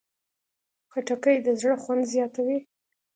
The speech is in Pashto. خټکی د زړه خوند زیاتوي.